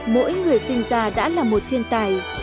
mỗi người sinh ra đã là một thiên tài